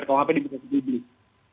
rkuhp diberi kejadian